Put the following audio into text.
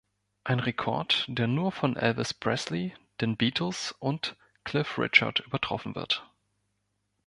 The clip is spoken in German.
Ein Rekord, der nur von Elvis Presley, den Beatles und Cliff Richard übertroffen wird.